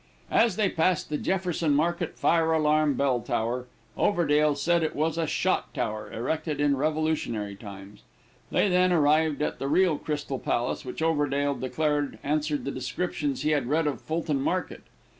As they passed the Jefferson Market fire alarm bell tower, Overdale said it was a shot tower, erected in revolutionary times. They then arrived at the real Crystal Palace, which Overdale declared answered to the descriptions he had read of Fulton Market.